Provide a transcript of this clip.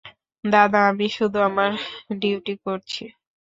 দাদা, আমি শুধু আমার ডিউটি করছি।